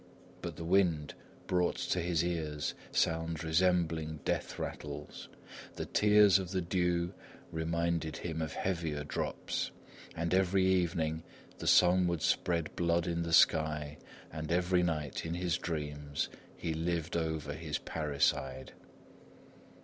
But the wind brought to his ears sounds resembling death rattles; the tears of the dew reminded him of heavier drops, and every evening, the sun would spread blood in the sky, and every night, in his dreams, he lived over his parricide.